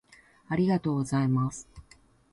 ありがとうございます。